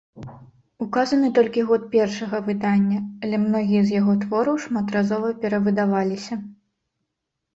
Указаны толькі год першага выдання, але многія з яго твораў шматразова перавыдаваліся.